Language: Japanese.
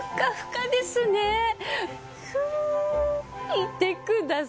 見てください